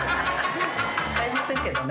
買いませんけどね。